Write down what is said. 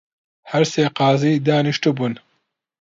هەر سێ قازی دانیشتبوون